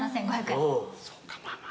そうかまあまあ。